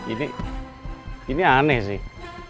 ini ini aneh sih